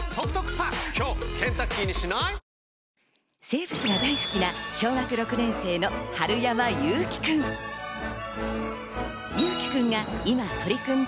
生物が大好きな小学６年生の春山侑輝くん。